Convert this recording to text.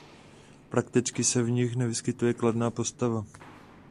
Prakticky se v nich nevyskytuje kladná postava.